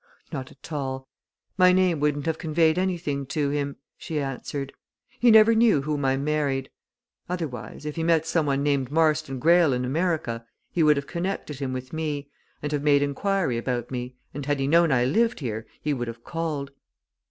"Not at all my name wouldn't have conveyed anything to him," she answered. "He never knew whom I married. Otherwise, if he met some one named Marston Greyle in America he would have connected him with me, and have made inquiry about me, and had he known I lived here, he would have called.